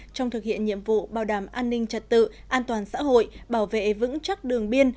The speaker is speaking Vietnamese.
trong thực hiện nhiệm vụ bảo đảm an ninh trật tự an toàn xã hội bảo vệ vững chắc đường biên